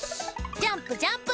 ジャンプジャンプ！